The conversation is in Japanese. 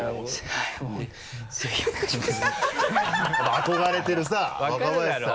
憧れてるさ若林さんの。